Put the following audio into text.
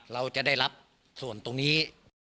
เราจะได้รับส่วนตรงนี้